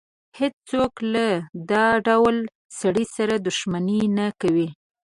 هېڅ څوک له دا ډول سړي سره دښمني نه کوي.